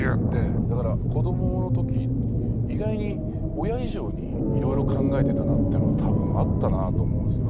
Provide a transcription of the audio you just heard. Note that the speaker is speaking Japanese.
だから子どもの時意外に親以上にいろいろ考えてたなっていうのは多分あったなと思うんですよ。